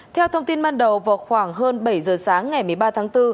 theo thông tin ban đầu vào khoảng hơn bảy giờ sáng ngày một mươi ba tháng bốn